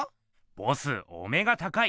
ボスお目が高い！